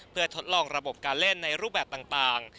เพื่อทดลองระบบการเล่นในรูปแบบต่าง